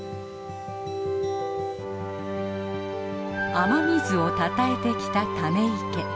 雨水をたたえてきたため池。